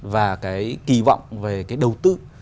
và cái kỳ vọng về cái đầu tư